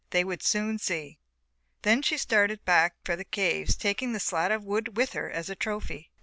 They would soon see. Then she started back for the caves taking the slat of wood with her as a trophy.